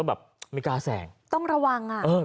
จะทำยังไงเราต้องแบบไม่กล้าแสง